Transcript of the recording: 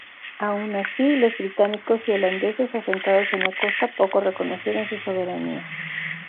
Aun así, los británicos y holandeses asentados en la costa poco reconocieron su soberanía.